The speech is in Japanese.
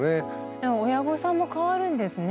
でも親御さんも変わるんですね。